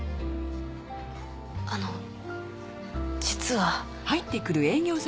あの実は。